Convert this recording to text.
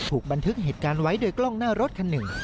บันทึกเหตุการณ์ไว้โดยกล้องหน้ารถคันหนึ่ง